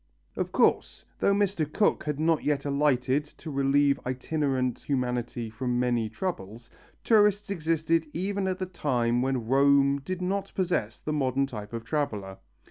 Of course, though Mr. Cook had not yet alighted to relieve itinerant humanity from many troubles, tourists existed even at the time when Rome did not possess the modern type of traveller.